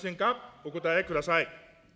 お答えください。